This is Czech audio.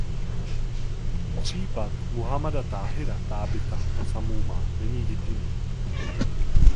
Případ Muhammada Táhira Tábita Samúma není jediný.